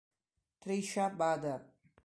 Tricia Bader